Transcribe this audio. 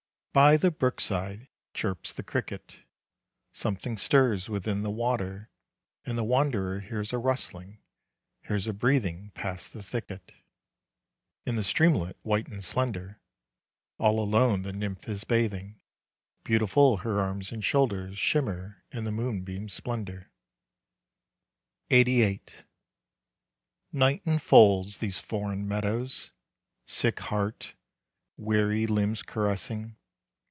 By the brook side chirps the cricket, Something stirs within the water, And the wanderer hears a rustling, Hears a breathing past the thicket. In the streamlet, white and slender, All alone the nymph is bathing, Beautiful her arms and shoulders Shimmer in the moonbeams' splendor. LXXXVIII. Night enfolds these foreign meadows, Sick heart, weary limbs caressing.